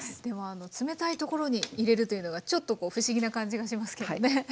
でも冷たいところに入れるというのがちょっと不思議な感じがしますけどね。